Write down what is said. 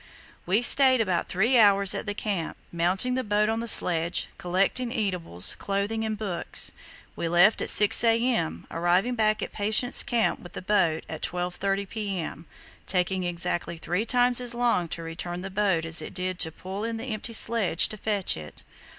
"We stayed about three hours at the Camp, mounting the boat on the sledge, collecting eatables, clothing, and books. We left at 6 a.m., arriving back at Patience Camp with the boat at 12.30 p.m., taking exactly three times as long to return with the boat as it did to pull in the empty sledge to fetch it.